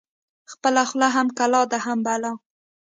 ـ خپله خوله هم کلا ده هم بلا ده.